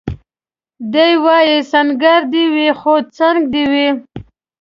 دی وايي سنګر دي وي خو څنګ دي وي